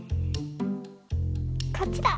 こっちだ！